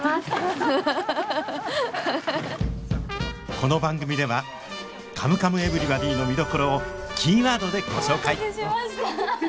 この番組では「カムカムエヴリバディ」の見どころをキーワードでご紹介